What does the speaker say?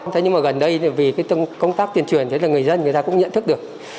thế nhưng mà gần đây vì công tác tiền chuyển thì người dân cũng nhận thức được